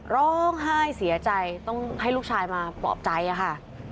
ร้องไห้เสียใจต้องให้ลูกชายมาปลอบใจค่ะ